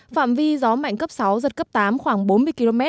phạm vi gió mạnh cấp sáu giật cấp tám khoảng bốn mươi km